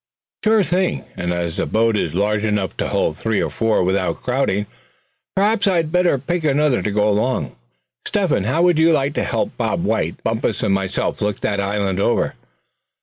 "Sure thing; and as the boat is large enough, to hold three or four without crowding, perhaps I'd better pick another to go along. Step hen, how would you like to help Bob White, Bumpus and myself look that island over?"